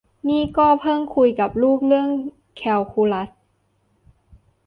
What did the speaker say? นี่ก็เพิ่งคุยกับลูกเรื่องแคลคูลัส